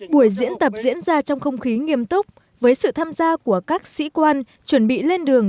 buổi diễn tập diễn ra trong không khí nghiêm túc với sự tham gia của các sĩ quan chuẩn bị lên đường